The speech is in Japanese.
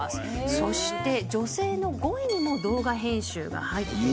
そして女性の５位にも動画編集が入っている。